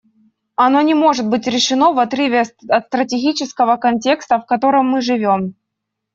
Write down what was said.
Оно не может быть решено в отрыве от стратегического контекста, в котором мы живем.